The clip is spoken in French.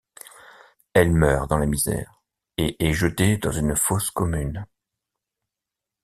Elle meurt dans la misère et est jetée dans une fosse commune.